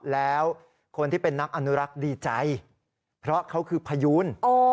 แล้วคนที่เป็นนักอนุรักษ์ดีใจเพราะเขาคือพยูน